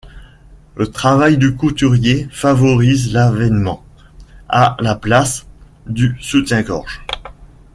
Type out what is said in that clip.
Le travail du couturier favorise l'avènement, à la place, du soutien-gorge.